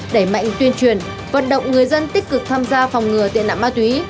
đẩy mạnh tuyên truyền vận động người dân tích cực tham gia phòng ngừa tiện nạp ma túi